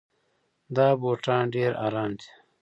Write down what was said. دا بوټان ډېر ارام دي.